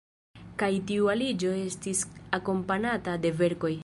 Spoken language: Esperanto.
Kaj tiu aliĝo estis akompanata de verkoj.